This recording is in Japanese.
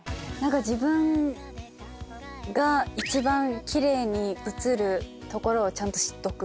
自分が一番奇麗に写るところをちゃんと知っとく。